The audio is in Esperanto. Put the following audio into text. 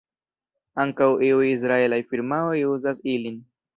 Ankaŭ iuj israelaj firmaoj uzas ilin.